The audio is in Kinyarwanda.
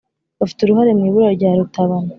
bafite uruhare mu ibura rya rutabana